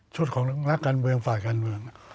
ชุดของนัคการเมืองฝ่าดาร์เนวัล